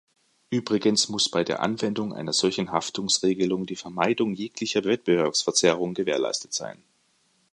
Übrigens muss bei der Anwendung einer solchen Haftungsregelung die Vermeidung jeglicher Wettbewerbsverzerrung gewährleistet sein.